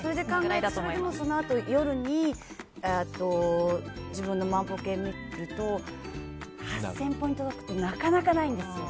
そのあと夜に自分の万歩計を見ると８０００歩に届くってなかなかないんですよ。